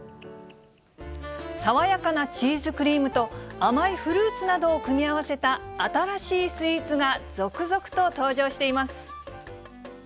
爽やかなチーズクリームと甘いフルーツなどを組み合わせた、新しいスイーツが続々と登場しています。